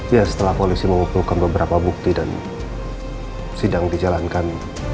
ya setelah polisi mengumpulkan beberapa bukti dan sidang dijalankan